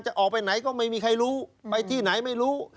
ออกไปไหนก็ไม่มีใครรู้ไปที่ไหนไม่รู้